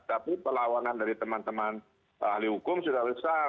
tapi perlawanan dari teman teman ahli hukum sudah besar